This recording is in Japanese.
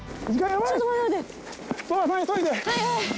はい。